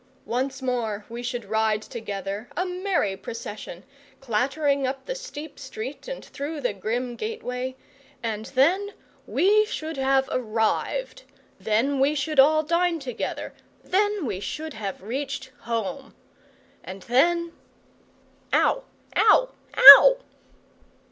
Once more we should ride together, a merry procession, clattering up the steep street and through the grim gateway; and then we should have arrived, then we should all dine together, then we should have reached home! And then OW! OW! OW!